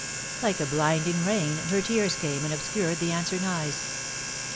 Like a blinding rain, her tears came and obscured the answering eyes.